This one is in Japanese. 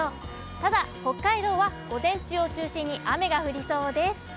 ただ、北海道は午前中を中心に雨が降りそうです。